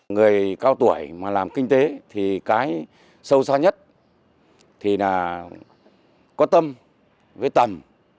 người cao tuổi mà làm kinh tế thì cái sâu xa nhất thì là có tâm với tầm